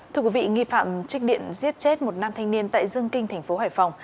thưa quý vị nghi phạm trích điện giết chết một nam thanh niên tại dương kinh thành phố hải phòng